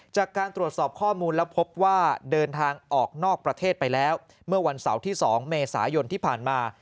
จากการตรวจสอบข้อมูลแล้วพบว่าเดินทางออกนอกประเทศไปแล้วเมื่อวันเสาร์ที่๒เมษายนที่ผ่านมา